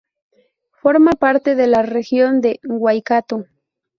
Forma parte de la región de Waikato.